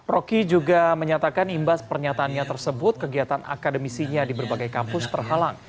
roky juga menyatakan imbas pernyataannya tersebut kegiatan akademisinya di berbagai kampus terhalang